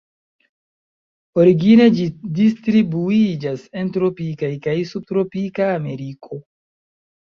Origine ĝi distribuiĝas en tropika kaj subtropika Ameriko.